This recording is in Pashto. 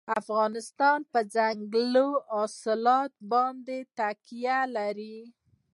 افغانستان په دځنګل حاصلات باندې تکیه لري.